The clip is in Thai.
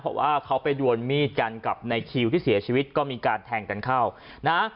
เพราะว่าเขาไปดวนมีดกันกับในคิวที่เสียชีวิตก็มีการแทงกันเข้านะ